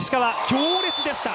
強烈でした。